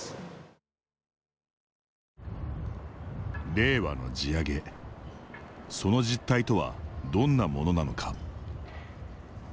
令和の地上げその実態とはどんなものなのか。